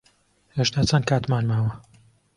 هێشتا چەند کاتمان ماوە؟